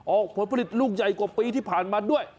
ผลผลิตลูกใหญ่กว่าปีที่ผ่านมาด้วย